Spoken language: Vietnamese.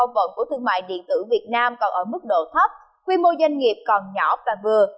vận của thương mại điện tử việt nam còn ở mức độ thấp quy mô doanh nghiệp còn nhỏ và vừa